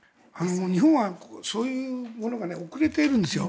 日本はそういうものが遅れているんですよ。